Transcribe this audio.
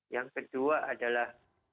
yang kedua adalah